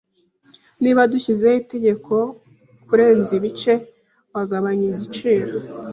Niba dushyizeho itegeko kurenza ibice, wagabanya igiciro?